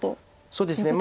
そうですね。